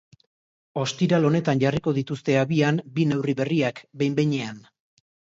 Ostiral honetan jarriko dituzte abian bi neurri berriak, behin-behinean.